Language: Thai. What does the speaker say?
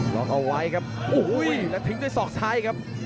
ล็อกเอาไว้ครับโอ้โหแล้วทิ้งด้วยศอกซ้ายครับ